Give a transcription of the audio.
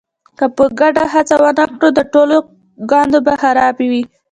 که په ګډه هڅه ونه کړو د ټولو ګانده به خرابه وي.